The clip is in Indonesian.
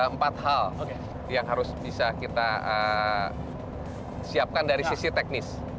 empat hal yang harus bisa kita siapkan dari sisi teknis